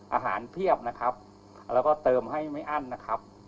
เพียบนะครับแล้วก็เติมให้ไม่อั้นนะครับ